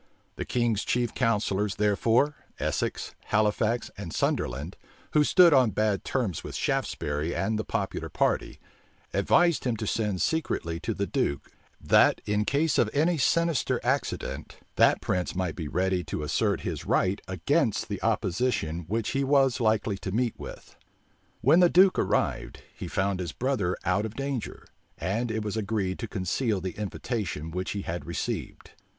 The king's chief counsellors, therefore Essex, Halifax, and Sunderland, who stood on bad terms with Shaftesbury and the popular party, advised him to send secretly for the duke, that, in case of any sinister accident, that prince might be ready to assert his right against the opposition which he was likely to meet with. When the duke arrived, he found his brother out of danger; and it was agreed to conceal the invitation which he had received.